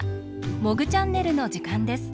「モグチャンネル」のじかんです。